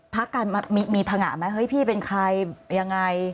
พักกันมีผงะไหมเฮ้ยพี่เป็นใครยังไง